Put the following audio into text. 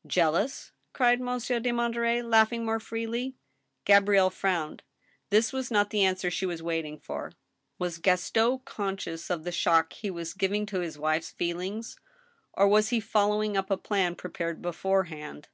" Jealous ?" cried Monsieur de Monterey, laughing more freely. Gabrielle frowned. This was not the answer she was waiting for. Was Gaston conscious of the shock he was giving to his wife's feelings, or was he following up a plan prepared beforehand